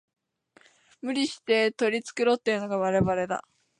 無理して取り繕ってるのがバレバレだ